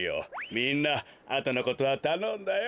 みんなあとのことはたのんだよ。